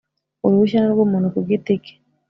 Uruhushya ni urw’ umuntu kugitike.